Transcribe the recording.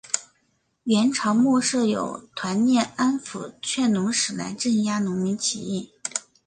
元朝末设有团练安辅劝农使来镇压农民起义。